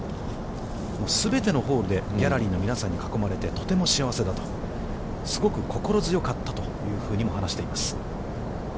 全てのホールでギャラリーの皆さんに囲まれて、とても幸せだと、すごく心強かったというふうにも話しています。